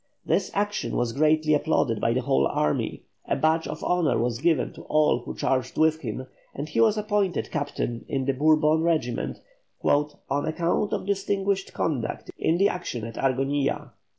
This action was greatly applauded by the whole army, a badge of honour was given to all who charged with him, and he was appointed captain in the Bourbon regiment "on account of distinguished conduct in the action at Argonilla."